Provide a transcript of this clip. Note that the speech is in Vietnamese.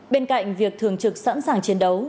bên cạnh việc thường trực sẵn sàng chiến đấu